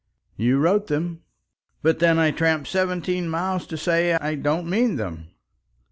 "You wrote them." "But then I tramp seventeen miles to say I don't mean them."